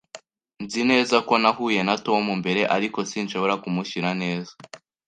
Nzi neza ko nahuye na Tom mbere, ariko sinshobora kumushyira neza.